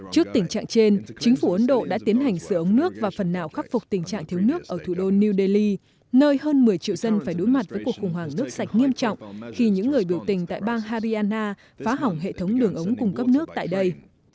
trước tình trạng trên chính phủ ấn độ đã tiến hành sửa ống nước và phần nào khắc phục tình trạng thiếu nước ở thủ đô new delhi nơi hơn một mươi triệu dân phải đối mặt với cuộc khủng hoảng nước sạch nghiêm trọng khi những người biểu tình tại bang hariana phá hỏng hệ thống đường ống cung cấp nước tại đây